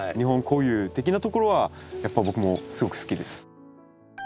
固有的なところはやっぱ僕もすごく好きです。